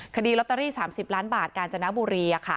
คดีลอตเตอรี่๓๐ล้านบาทกาญจนบุรี